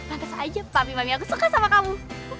gantes aja papi papi aku suka sama kamu